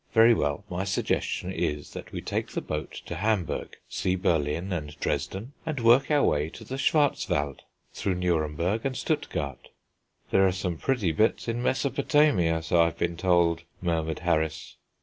Very well, my suggestion is that we take the boat to Hamburg, see Berlin and Dresden, and work our way to the Schwarzwald, through Nuremberg and Stuttgart." "There are some pretty bits in Mesopotamia, so I've been told," murmured Harris.